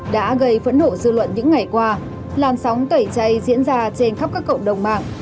đã gây phẫn hộ dư luận những ngày qua làn sóng tẩy chay diễn ra trên khắp các cộng đồng mạng